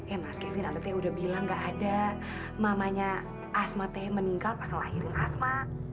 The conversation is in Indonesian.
eh mas kevin atletnya udah bilang gak ada mamanya asma teh meninggal pas lahirin asma